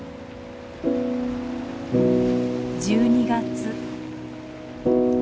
１２月。